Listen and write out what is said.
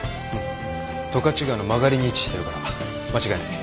十勝川の曲がりに位置してるから間違いない。